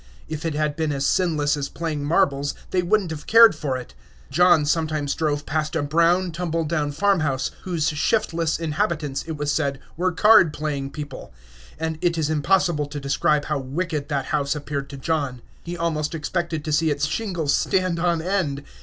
If it had been as sinless as playing marbles, they would n't have cared for it. John sometimes drove past a brown, tumble down farmhouse, whose shiftless inhabitants, it was said, were card playing people; and it is impossible to describe how wicked that house appeared to John. He almost expected to see its shingles stand on end.